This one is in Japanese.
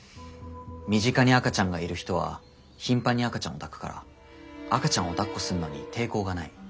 身近に赤ちゃんがいる人は頻繁に赤ちゃんを抱くから赤ちゃんをだっこするのに抵抗がない。